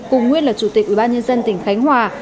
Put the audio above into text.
cùng nguyên là chủ tịch ủy ban nhân dân tỉnh khánh hòa